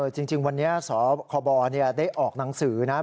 จริงวันนี้สคบได้ออกหนังสือนะ